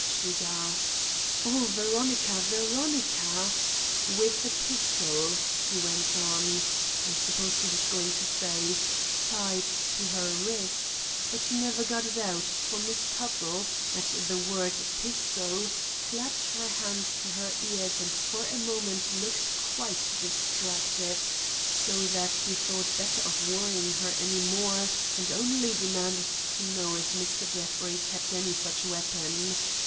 she gasped. 'Oh, Veronica, Veronica!' 'With a pistol,' he went on—I suppose he was going to say, 'tied to her wrist,' but he never got it out, for Miss Tuttle, at the word 'pistol' clapped her hands to her ears and for a moment looked quite distracted, so that he thought better of worrying her any more and only demanded to know if Mr. Jeffrey kept any such weapon.